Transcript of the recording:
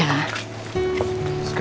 aku mau ke surabaya